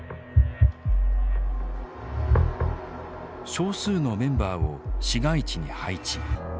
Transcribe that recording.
少数のメンバーを市街地に配置。